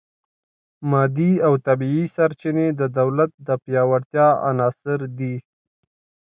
مادي او طبیعي سرچینې د دولت د پیاوړتیا عناصر دي